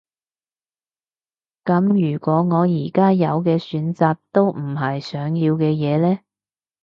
噉如果我而家有嘅選擇都唔係想要嘅嘢呢？